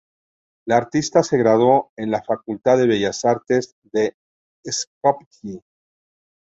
La artista se graduó en la Facultad de Bellas Artes de Skopje.